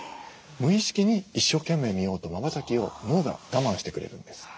無意識に一生懸命見ようとまばたきを脳が我慢してくれるんです。